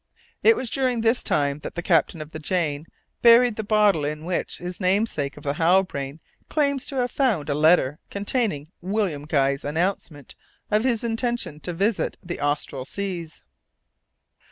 It was during this time that the captain of the Jane buried the bottle in which his namesake of the Halbrane claimed to have found a letter containing William Guy's announcement of his intention to visit the austral seas.